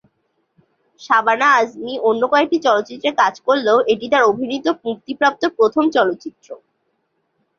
শাবানা আজমি অন্য কয়েকটি চলচ্চিত্রে কাজ করলেও এটি তার অভিনীত মুক্তিপ্রাপ্ত প্রথম চলচ্চিত্র।